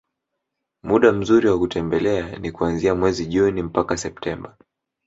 Muda mzuri wa kutembelea ni kuanzia mwezi Juni mpaka Septemba